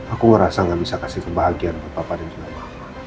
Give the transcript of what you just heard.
aku merasa gak bisa kasih kebahagiaan kepada papa dan juga mama